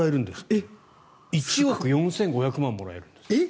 １億４５００万もらえるんです。